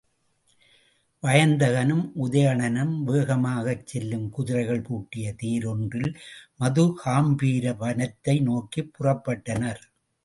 வயந்தகனும் உதயணனும் வேகமாகச் செல்லும் குதிரைகள் பூட்டிய தேர் ஒன்றில் மதுகாம்பீர வனத்தை நோக்கிப் புறப்பட்டனர்.